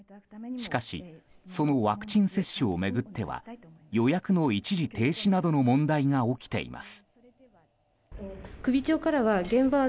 しかしそのワクチン接種を巡っては予約の一時停止などの問題が起きています。